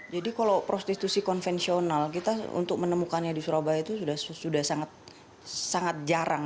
jadi kalau prostitusi konvensional kita untuk menemukannya di surabaya itu sudah sangat jarang